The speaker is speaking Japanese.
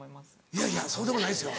いやいやそうでもないですよ